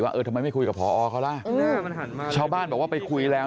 เออทำไมไม่คุยกับพอเขาล่ะชาวบ้านบอกว่าไปคุยแล้ว